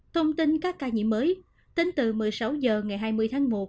thông tin các ca nhiễm mới tính từ một mươi sáu h ngày hai mươi tháng một